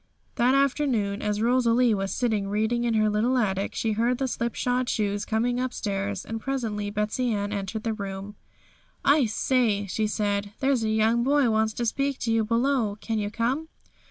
That afternoon, as Rosalie was sitting reading in her little attic, she heard the slipshod shoes coming upstairs, and presently Betsey Ann entered the room. 'I say,' she said, 'there's a young boy wants to speak to you below; can you come?'